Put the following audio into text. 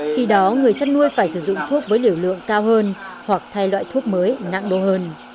khi đó người chăn nuôi phải sử dụng thuốc với liều lượng cao hơn hoặc thay loại thuốc mới nặng đô hơn